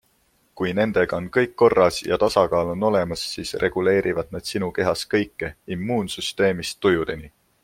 Kui nendega on kõik korras ja tasakaal on olemas, siis reguleerivad nad sinu kehas kõike - immuunsüsteemist tujudeni.